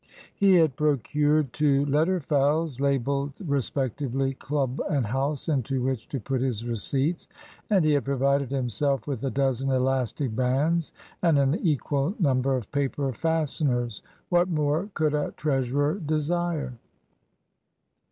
He had procured two letter files, labelled respectively "Club" and "House," into which to put his receipts. And he had provided himself with a dozen elastic bands and an equal number of paper fasteners. What more could a treasurer desire?